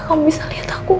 bangsinya ini rumahmu